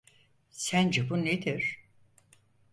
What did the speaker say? Sence bu nedir?